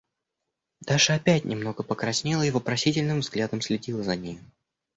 Даша опять немного покраснела и вопросительным взглядом следила за нею.